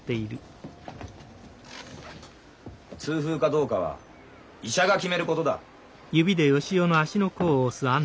痛風かどうかは医者が決めることだ。